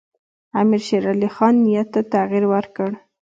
امیرشیرعلي خان نیت ته تغییر ورکړ.